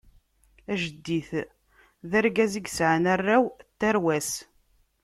Ajeddit d argaz yesɛan arraw n tarwa-s.